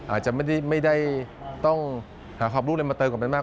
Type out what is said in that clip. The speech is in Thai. อาจจะไม่ได้ต้องหาความรู้อะไรมาเติมกับมันมาก